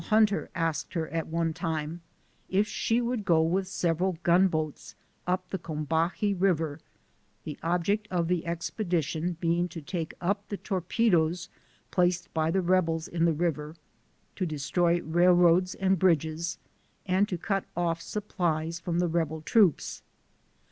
Hunter asked her at one time if she would go with several gun boats up the Combahee River, the object of the expedition being to take up the torpedoes placed by the rebels in the river, to de stroy railroads and bridges, and to cut off supplies from the rebel troops.